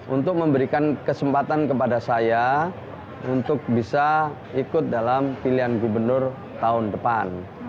untuk memberikan kesempatan kepada saya untuk bisa ikut dalam pilihan gubernur tahun depan